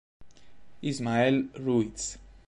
Ismael Ruiz